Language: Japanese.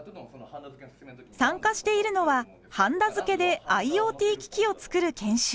参加しているのははんだ付けでＩｏＴ機器を作る研修。